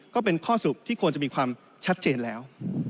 ก็เป็นข้อสรุปที่ควรจะมีความชัดเจนแล้ว